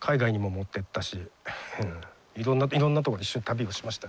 いろんなとこ一緒に旅をしました。